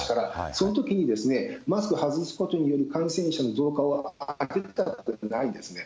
そういうときにマスク外したことによる感染者の増加をないんですね。